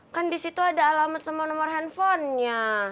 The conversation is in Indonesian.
kan disitu ada alamat semua nomor handphonenya